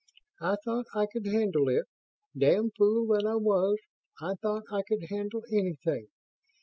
"I thought I could handle it. Damned fool that I was, I thought I could handle anything.